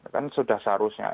kan sudah seharusnya